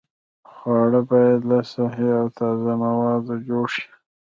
خواړه باید له صحي او تازه موادو جوړ شي.